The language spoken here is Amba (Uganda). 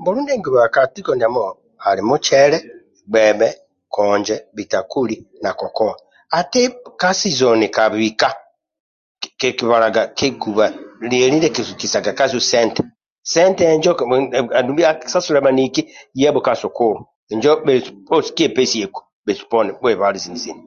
Mbulu ndie nkiguba ka tiko ndiamo ali mucele, gbebhe, konje, bhitakuli na kokowa. Ati ka sizoni kabika, kikibalaga kiguba lieli ndia akibikisaga kasu sente, sente injo andu ndia sa sasulilia bhaniki yabho ka sukulu injo bhesu kyepesieku bhesu poni bhuebale sini-sini.